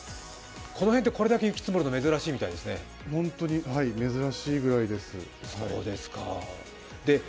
この辺ってこれだけ雪積もるの珍しいみたいですね。